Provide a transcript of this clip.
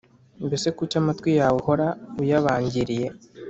mbese kuki amatwi yawe uhora uyabangiriye